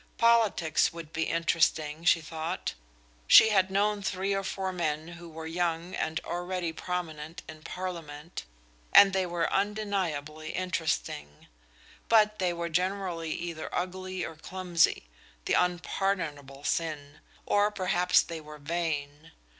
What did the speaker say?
Politics would be interesting, she thought; she had known three or four men who were young and already prominent in Parliament, and they were undeniably interesting; but they were generally either ugly or clumsy, the unpardonable sin, or perhaps they were vain.